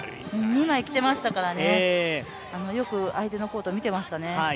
二枚来てましたからね、よく相手のコートを見ていましたね。